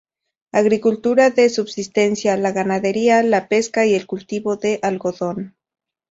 Agricultura de subsistencia, la ganadería, la pesca y el cultivo del algodón.